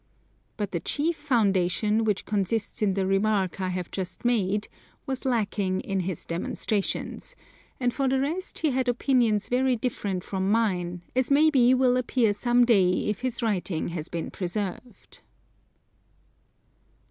But the chief foundation, which consists in the remark I have just made, was lacking in his demonstrations; and for the rest he had opinions very different from mine, as may be will appear some day if his writing has been preserved.